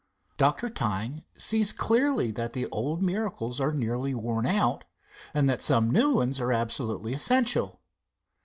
Dr. Tyng sees clearly that the old miracles are nearly worn out, and that some new ones are absolutely essential.